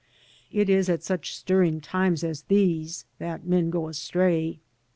It is at such stirring times as these that men go astray.